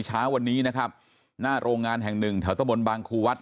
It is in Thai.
เช้าวันนี้นะครับหน้าโรงงานแห่งหนึ่งแถวตะบนบางครูวัด